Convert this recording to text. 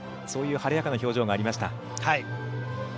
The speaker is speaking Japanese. そういう晴れやかな表情がありました。